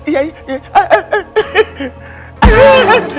mau hidungin gue